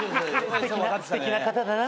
すてきな方だなと。